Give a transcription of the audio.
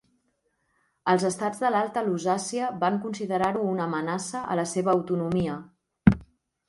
Els estats de l'Alta Lusàcia van considerar-ho una amenaça a la seva autonomia.